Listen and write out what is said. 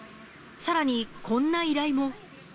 さらに、こんな依頼も。